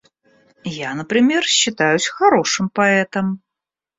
Я, например, считаюсь хорошим поэтом.